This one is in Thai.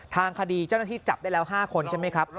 ทางคดีเจ้าหน้าที่จับได้แล้ว๕คนใช่ไหมครับ